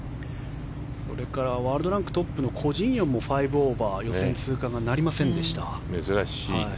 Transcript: それからワールドランクトップのコ・ジンヨンが５オーバー予選通過なりませんでした。